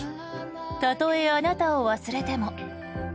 「たとえあなたを忘れても」。